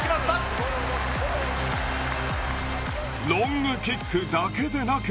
ロングキックだけでなく。